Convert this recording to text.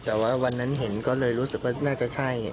แต่ว่าวันนั้นเห็นก็เลยรู้สึกว่าน่าจะใช่